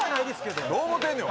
どう思てんねん！